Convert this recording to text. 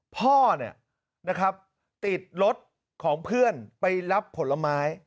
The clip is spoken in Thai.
พ่อติดรถของเพื่อนไปรับผลไม้